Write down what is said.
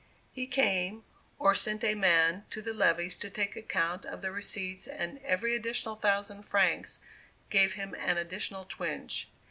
He came, or sent a man, to the levees to take account of the receipts and every additional thousand francs gave him an additional twinge.